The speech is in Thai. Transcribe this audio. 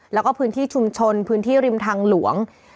แล้วก็พื้นที่ชุมชนพื้นที่ริมทางหลวง